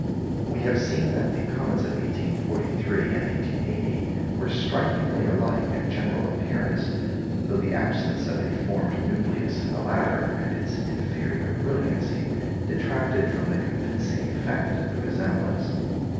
We have seen that the comets of 1843 and 1880 were strikingly alike in general appearance, though the absence of a formed nucleus in the latter, and its inferior brilliancy, detracted from the convincing effect of the resemblance.